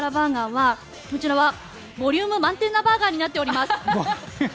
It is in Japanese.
こちらはボリューム満点なバーガーになっております。